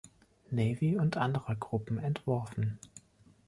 Navy und anderer Gruppen entworfen.